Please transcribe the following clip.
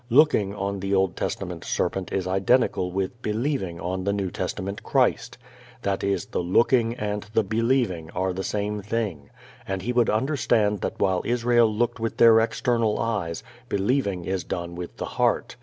"Looking" on the Old Testament serpent is identical with "believing" on the New Testament Christ. That is, the looking and the believing are the same thing. And he would understand that while Israel looked with their external eyes, believing is done with the heart.